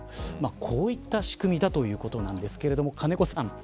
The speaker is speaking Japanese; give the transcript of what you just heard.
こういった仕組みだということなんですけど金子さん